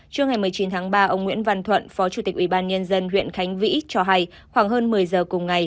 trước ngày một mươi chín tháng ba ông nguyễn văn thuận phó chủ tịch ubnd huyện khánh vĩ cho hay khoảng hơn một mươi giờ cùng ngày